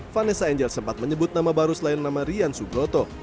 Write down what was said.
vanessa angel sempat menyebut nama baru selain nama rian subroto